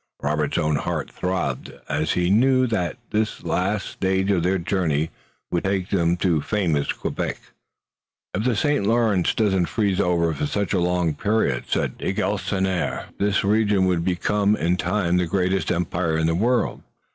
Robert's own heart throbbed as he knew that this last stage of their journey would take them to famous Quebec. "If the St. Lawrence didn't freeze over for such a long period," said de Galisonnière, "this region would become in time the greatest empire in the world."